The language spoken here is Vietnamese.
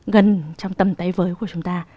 gần trong tầm tay với của chúng ta